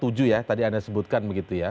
tujuh ya tadi anda sebutkan begitu ya